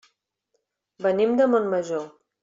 Venim de Montmajor.